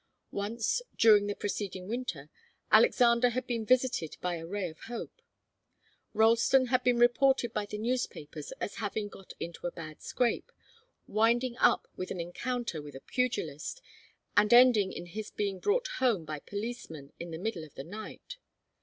Once, during the preceding winter, Alexander had been visited by a ray of hope. Ralston had been reported by the newspapers as having got into a bad scrape, winding up with an encounter with a pugilist, and ending in his being brought home by policemen in the middle of the night.